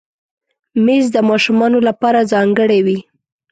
مېز د ماشومانو لپاره ځانګړی وي.